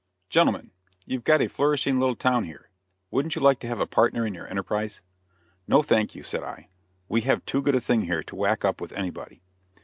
"Gentlemen, you've got a very flourishing little town here. Wouldn't you like to have a partner in your enterprise?" "No, thank you," said I, "we have too good a thing here to whack up with anybody."